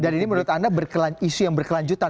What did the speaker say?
dan ini menurut anda isu yang berkelanjutan